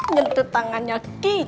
nyentuh tangannya gigi